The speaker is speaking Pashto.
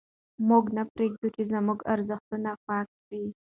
موږ نه پرېږدو چې زموږ ارزښتونه پیکه سي.